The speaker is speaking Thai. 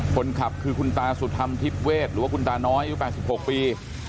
คนขับคือคุณตาสุธรรมทิพเวทหรือว่าคุณตาน้อยอายุ๘๖ปี